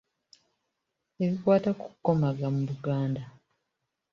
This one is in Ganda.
Ebikwata ku kukomaga mu Buganda.